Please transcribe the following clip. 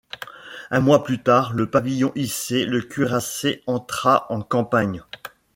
Un mois plus tard, le pavillon hissé, le cuirassé entra en campagne.